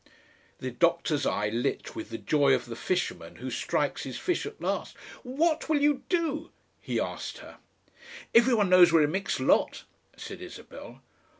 The doctor's eye lit with the joy of the fisherman who strikes his fish at last. "What will you do?" he asked her. "Every one knows we're a mixed lot," said Isabel.